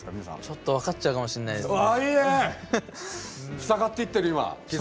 ちょっと分かっちゃうかもしれないですね。